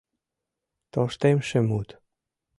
тоштемше мут